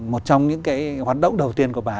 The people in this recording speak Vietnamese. một trong những cái hoạt động đầu tiên của bà